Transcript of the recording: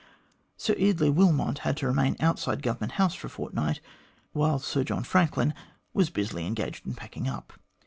Sir Eardley Wilmot had to remain outside Govern ment House for a fortnight, while Sir John Franklin was busily engaged in packing up.